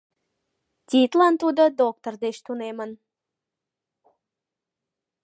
Тидлан тудо доктор деч тунемын.